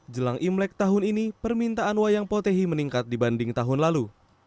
jelang imlek tahun ini permintaan wayang potehi meningkat dibanding tahun lalu